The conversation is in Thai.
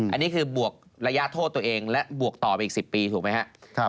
อันนี้คือบวกระยะโทษตัวเองและบวกต่อไปอีก๑๐ปีถูกไหมครับ